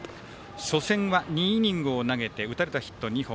初戦は、２イニングを投げて打たれたヒット２本。